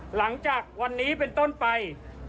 หลังจากวันนี้เป็นต้นไป